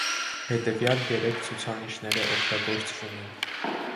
Հետևյալ երեք ցուցանիշները օգտագործվում են։